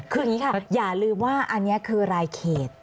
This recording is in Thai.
คืออย่างนี้ค่ะอย่าลืมว่าอันนี้คือรายเขต